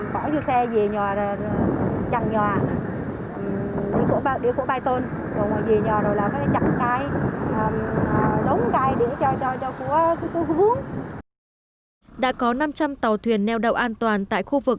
bỏ chiếc xe về nhà chặn nhà đi khu bãi tôn rồi về nhà chặn cái đóng cái để cho của hướng